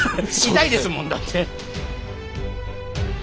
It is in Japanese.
痛いですもんだって。